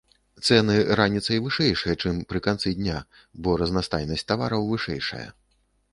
Цэны раніцай вышэйшыя, чым пры канцы дня, бо разнастайнасць тавараў вышэйшая.